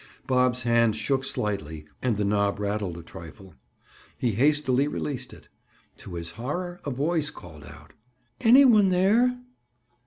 Bob's hand shook slightly and the knob rattled a trifle; he hastily released it. To his horror a voice called out. "Any one there?"